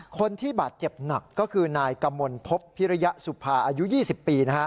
คนที่บาดเจ็บหนักก็คือนายกมลพบพิริยสุภาอายุ๒๐ปี